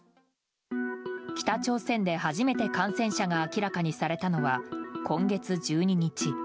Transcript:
北朝鮮で初めて感染者が明らかにされたのは今月１２日。